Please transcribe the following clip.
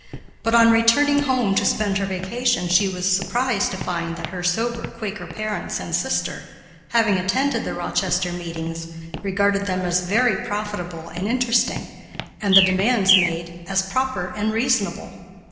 But, on returning home to spend her vacation, she was surprised to find that her sober Quaker parents and sister, having attended the Rochester meetings, regarded them as very profitable and interesting, and the demands made as proper and reasonable.